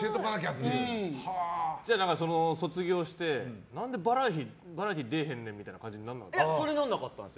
卒業して、何でバラエティーでえへんねんみたいにそれはならなかったんです。